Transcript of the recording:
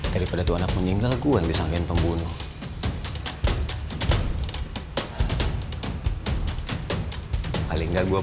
terima kasih ya